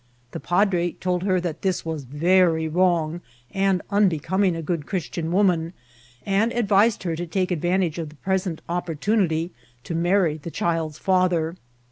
The padre told her that this was very wrong and unbecoming a good Christian woman, and advised her to take advantage of the pres* ent opportunity to marry the child's father.